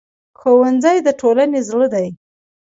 ښوونځی د ټولنې زړه دی